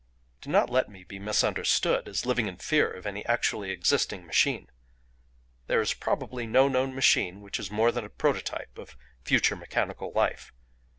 "Do not let me be misunderstood as living in fear of any actually existing machine; there is probably no known machine which is more than a prototype of future mechanical life.